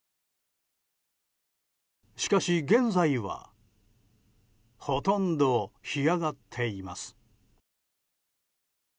しかし現在はほとんど干上がっています。